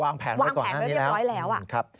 วางแผนด้วยเรียบร้อยแล้วอ่ะ